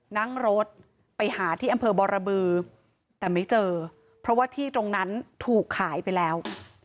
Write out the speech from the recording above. นั่งรถไปหาที่อำเภอบรบือแต่ไม่เจอเพราะว่าที่ตรงนั้นถูกขายไปแล้ว